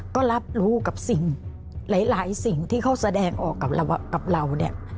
ก็รับรู้กับสิ่งหลายสิ่งที่เขาแสดงออกกับเราเนี่ย